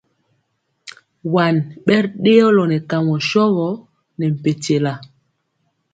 Waŋ bɛri dëɔlo nɛ kamɔ shogɔ ne mpɛntyɛla.